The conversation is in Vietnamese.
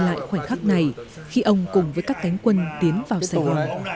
lại khoảnh khắc này khi ông cùng với các cánh quân tiến vào sài gòn